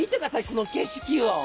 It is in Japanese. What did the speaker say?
この景色を！